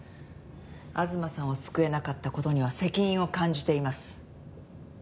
東さんを救えなかった事には責任を感じています。